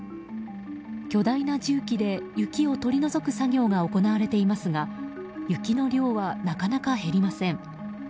巨大な重機で雪を取り除く作業が行われていますが雪の量はなかなか減りません。